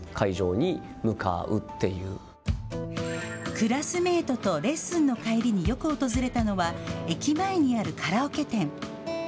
クラスメートとレッスンの帰りによく訪れたのは駅前にあるカラオケ店。